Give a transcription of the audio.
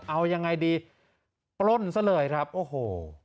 เอายังไงดีปล้นซะเลยครับโอ้โห